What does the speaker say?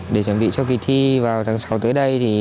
để chuẩn bị cho kỳ thi vào tháng sáu tới đây